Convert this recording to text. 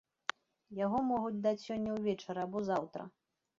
Яго могуць даць сёння ўвечары або заўтра.